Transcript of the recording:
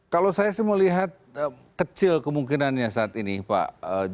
kalau saya sih melihat kecil kemungkinannya saat ini pak